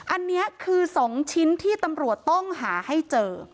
อันนี้คือ๒ชิ้นที่ตำรวจต้องหาให้เจอ